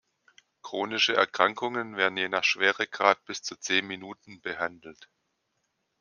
Chronische Erkrankungen werden je nach Schweregrad bis zu zehn Minuten behandelt.